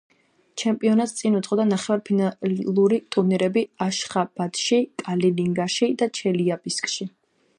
ჩემპიონატს წინ უძღოდა ნახევარფინალური ტურნირები აშხაბადში, კალინინგრადში და ჩელიაბინსკში.